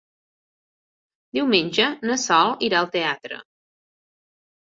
Diumenge na Sol irà al teatre.